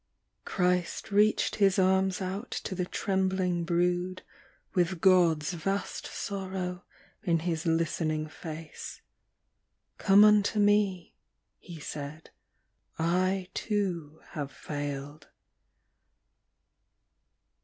Christ reached His arms out to the trembling brood, With God's vast sorrow in His listening face. Come unto Me,' He said; 'I, too, have failed.